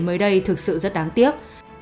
mới đây thực sự rất đáng tiếc